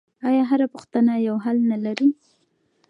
آیا هره پوښتنه یو حل نه لري؟